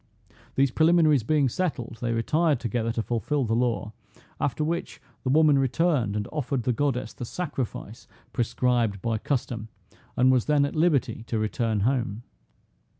These preliminaries being settled, they retired together to fulfil the law, after which the woman returned and offered the goddess the sacrifice prescribed by custom, and then was at liberty to return home.